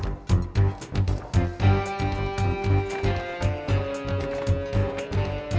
aku mau kondangan